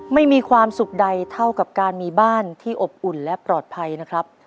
ไม่มีความสุขใดเท่ากับการมีบ้านที่อบอุ่นและปลอดภัยนะครับ